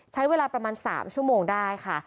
ใช้เวลาประมาณ๓ชั่วโมงได้ค่ะ